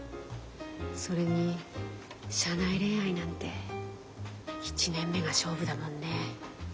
それに社内恋愛なんて１年目が勝負だもんね。